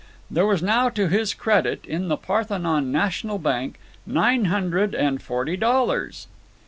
There was now to his credit in the Parthenon National Bank nine hundred and forty dollars!